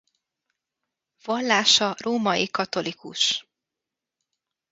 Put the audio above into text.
Vallása római katolikus.